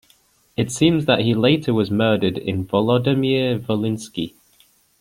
It seems that he later was murdered in Volodymyr-Volynski.